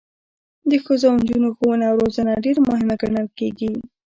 د ښځو او نجونو ښوونه او روزنه ډیره مهمه ګڼل کیږي.